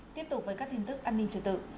tiếp tục với các tin tức an ninh trật tự